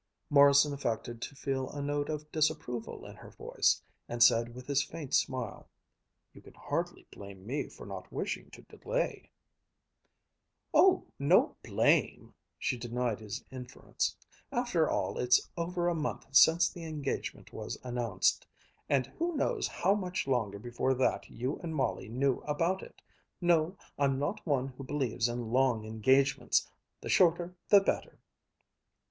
Morrison affected to feel a note of disapproval in her voice, and said with his faint smile, "You can hardly blame me for not wishing to delay." "Oh, no blame!" she denied his inference. "After all it's over a month since the engagement was announced, and who knows how much longer before that you and Molly knew about it. No. I'm not one who believes in long engagements. The shorter the better."